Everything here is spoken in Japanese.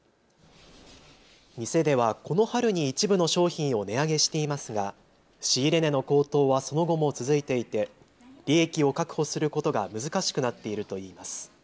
店ではこの春に一部の商品を値上げしていますが仕入れ値の高騰はその後も続いていて利益を確保することが難しくなっているといいます。